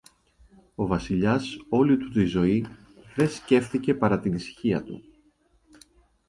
Ο Βασιλιάς όλη του τη ζωή δε σκέφθηκε παρά την ησυχία του.